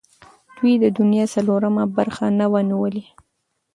دوی د دنیا څلورمه برخه نه وه نیولې.